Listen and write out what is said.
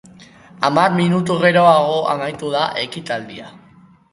Hamar minutu geroago amaitu da ekitaldia.